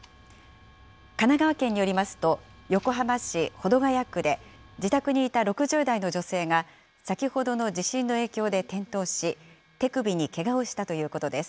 神奈川県によりますと、横浜市保土ヶ谷区で自宅にいた６０代の女性が先ほどの地震の影響で転倒し、手首にけがをしたということです。